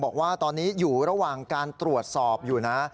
บอกว่าตอนนี้อยู่ระหว่างการตรวจสอบอยู่นะ